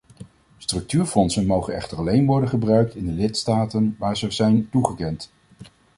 Structuurfondsen mogen echter alleen worden gebruikt in de lidstaten waaraan ze zijn toegekend.